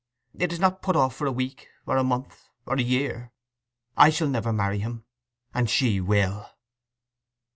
'It is not put off for a week, or a month, or a year. I shall never marry him, and she will!